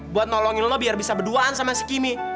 buat nolongin lo biar bisa berduaan sama skimmy